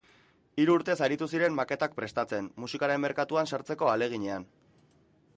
Hiru urtez aritu ziren maketak prestatzen, musikaren merkatuan sartzeko ahaleginean.